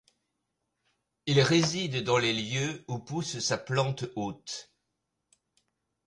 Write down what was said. Il réside dans les lieux où pousse sa plante hôte.